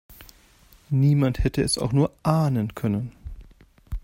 Niemand hätte es auch nur ahnen können.